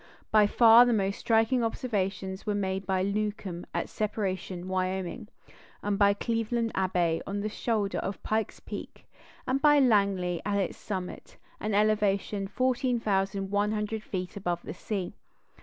By far the most striking observations were made by Newcomb at Separation (Wyoming), by Cleveland Abbe from the shoulder of Pike's Peak, and by Langley at its summit, an elevation of 14,100 feet above the sea.